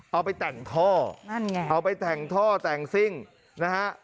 เอาไปแต่งท่อนั่นไงเอาไปแต่งท่อแต่งซิ่งนะฮะ